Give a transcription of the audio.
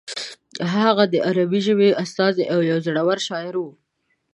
هغه د عربي ژبې استازی او یو زوړور شاعر و.